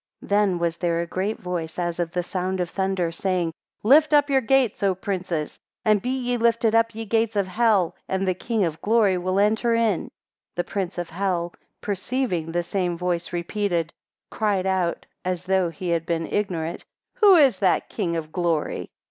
13 Then was there a great voice, as of the sound of thunder, saying, Lift up your gates, O princes; and be ye lifted up, ye gates of hell, and the King of Glory will enter in. 14 The prince of hell perceiving the same voice repeated, cried out, as though he had been ignorant, Who is that King of Glory?